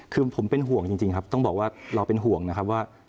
คือผมเป็นห่วงจริงครับต้องบอกว่าเราเป็นห่วงนะครับว่า